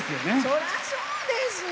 そりゃあそうですよ！